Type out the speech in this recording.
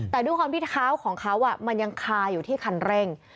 แต่ด้วยความที่เท้าของเขามันยังคาอยู่ที่คันเร่ง